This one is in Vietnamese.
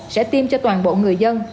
sẽ tiêm cho toàn bộ người dân